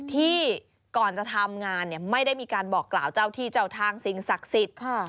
ที่ก่อนจะทำงานเนี่ยไม่ได้มีการบอกกล่าวเจ้าที่เจ้าทางสิ่งศักดิ์สิทธิ์